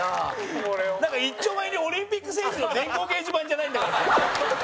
なんか、一丁前にオリンピック選手の電光掲示板じゃないんだからさ。